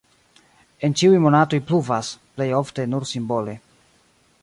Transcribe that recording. En ĉiuj monatoj pluvas (plej ofte nur simbole).